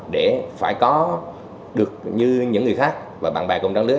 để phải có được như những người khác và bạn bè cùng trang lứ